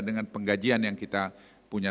dengan penggajian yang kita punya